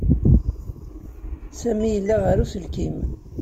Sami yella ɣer uselkim.